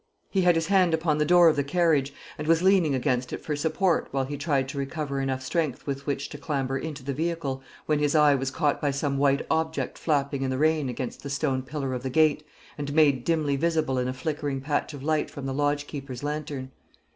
He had his hand upon the door of the carriage, and was leaning against it for support, while he tried to recover enough strength with which to clamber into the vehicle, when his eye was caught by some white object flapping in the rain against the stone pillar of the gate, and made dimly visible in a flickering patch of light from the lodge keeper's lantern.